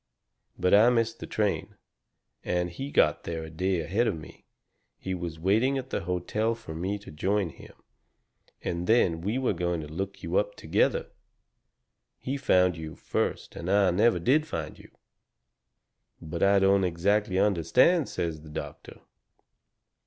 But I missed the train, and he got there a day ahead of me. He was waiting at the hotel for me to join him, and then we were going to look you up together. He found you first and I never did find you." "But I don't exactly understand," says the doctor.